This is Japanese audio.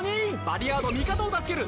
リヤード味方を助ける！